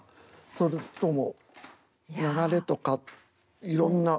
それとも流れとかいろんな。